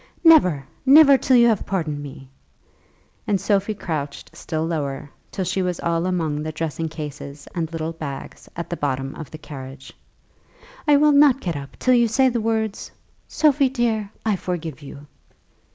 "Never; never till you have pardoned me." And Sophie crouched still lower, till she was all among the dressing cases and little bags at the bottom of the carriage. "I will not get up till you say the words, 'Sophie, dear, I forgive you.'"